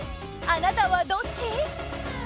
あなたはどっち？